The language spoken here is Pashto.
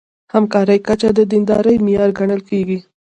همکارۍ کچه د دیندارۍ معیار ګڼل کېږي.